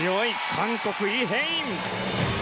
韓国、イ・ヘイン！